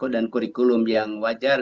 dan kurikulum yang wajar